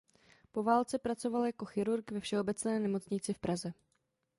Po válce pracoval jako chirurg ve Všeobecné nemocnici v Praze.